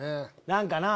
何かな。